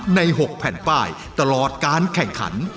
ใน๖แผ่นป้ายตลอดการแข่งขัน